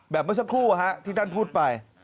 เมื่อสักครู่ที่ท่านพูดไป